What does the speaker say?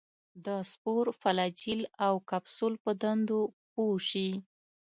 د سپور، فلاجیل او کپسول په دندو پوه شي.